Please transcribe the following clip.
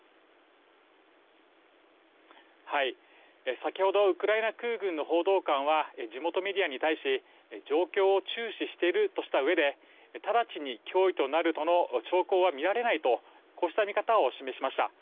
先ほどウクライナ空軍の報道官は地元メディアに対し状況を注視しているとしたうえで直ちに脅威となるとの兆候は見られないとこうした見方を示しました。